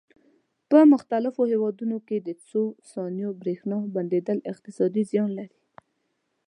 په پرمختللو هېوادونو کې د څو ثانیو برېښنا بندېدل اقتصادي زیان لري.